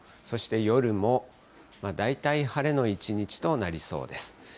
そして夜も大体晴れの一日となりそうです。